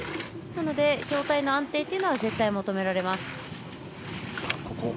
なので、上体の安定というのは絶対求められます。